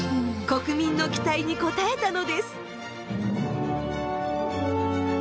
国民の期待に応えたのです。